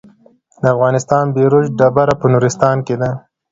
د افغانستان بیروج ډبره په نورستان کې ده